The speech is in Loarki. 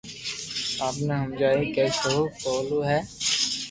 آپ ني ھماجو ڪو سھو ڪاو ھي